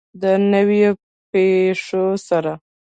د نویو پیښو سره.